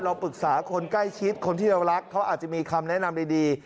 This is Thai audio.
ปรึกษาคนใกล้ชิดคนที่เรารักเขาอาจจะมีคำแนะนำดี